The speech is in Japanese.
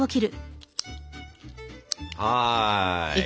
はい。